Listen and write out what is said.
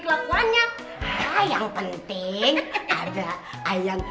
kelakuannya yang penting harga ayam